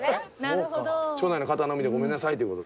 町内の方のみでごめんなさいっていうこと。